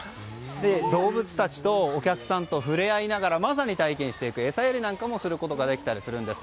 動物たちとお客さんと、触れ合いながらまさに体験していく餌やりなんかもすることができるんです。